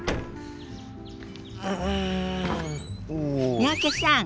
三宅さん